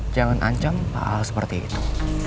jangan ancam pak al seperti itu